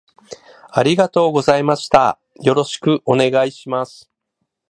ありがとうございましたよろしくお願いします